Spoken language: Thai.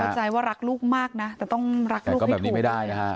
เข้าใจว่ารักลูกมากนะแต่ต้องรักลูกให้ถูกเลย